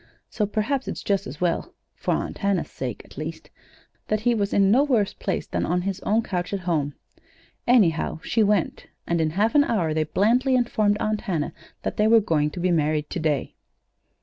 So perhaps it's just as well for Aunt Hannah's sake, at least that he was in no worse place than on his own couch at home. Anyhow, she went, and in half an hour they blandly informed Aunt Hannah that they were going to be married to day.